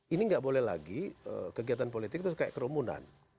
ini nggak boleh lagi kegiatan politik itu kayak kerumunan